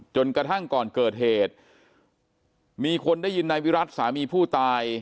จนกระทั่งก่อนเกิดเหตุมีคนได้ยินนายวิรัติสามีผู้ตาย